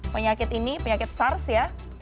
penyakit ini penyakit sars ya